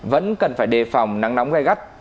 vẫn cần phải đề phòng nắng nóng gai gắt